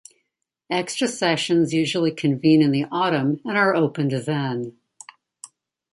Extra sessions usually convene in the autumn and are opened then.